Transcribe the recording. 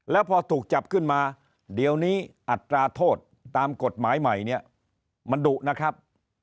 แล้วพอถูกจับขึ้นมาเดี๋ยวนี้อัตราโทษตามกฎหมายใหม่เนี่ยมันดุนะครับ